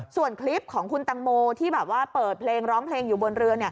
ส่วนคลิปของคุณตังโมที่แบบว่าเปิดเพลงร้องเพลงอยู่บนเรือ